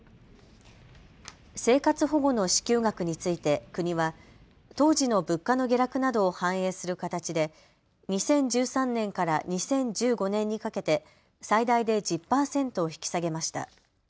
生活保護の支給額について国は当時の物価の下落などを反映する形で２０１３年から２０１５年にかけて最大で１０％引き下げました。